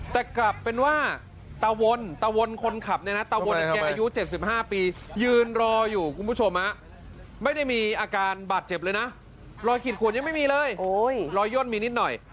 ส่วนยังไม่มีเลยรอยย่นมีนิดหน่อย